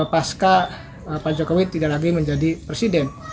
pasca pak jokowi tidak lagi menjadi presiden